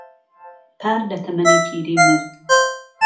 پار لە تەمەنی پیری مرد.